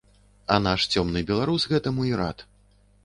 А наш цёмны беларус гэтаму і рад.